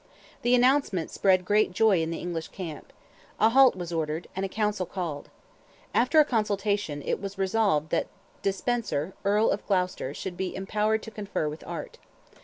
The announcement spread "great joy" in the English camp. A halt was ordered, and a council called. After a consultation, it was resolved that de Spencer, Earl of Gloucester, should be empowered to confer with Art.